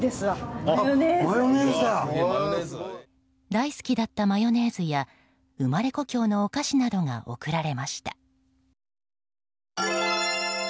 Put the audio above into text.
大好きだったマヨネーズや生まれ故郷のお菓子などが贈られました。